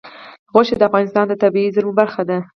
غوښې د افغانستان د طبیعي زیرمو برخه ده.